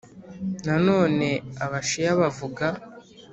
nanone abashiya bavuga